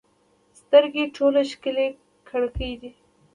سترګې ټولو ښکلې کړکۍ دي.